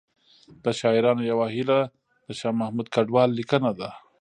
له شاعرانو یوه هیله د شاه محمود کډوال لیکنه ده